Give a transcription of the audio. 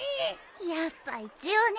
やっぱ一応ね。